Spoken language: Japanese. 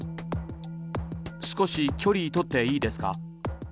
少し距離取っていいですか。